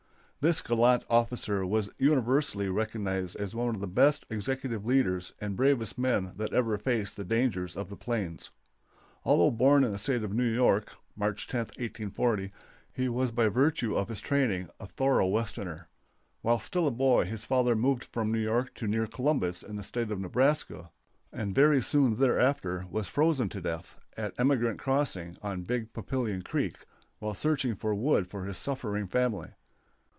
This gallant officer was universally recognized as one of the best executive leaders and bravest men that ever faced the dangers of the plains. Although born in the State of New York (March 10, 1840), he was by virtue of his training a thorough Westerner. While still a boy his father moved from New York to near Columbus in the State of Nebraska, and very soon thereafter was frozen to death at Emigrant Crossing, on Big Papillion Creek, while searching for wood for his suffering family.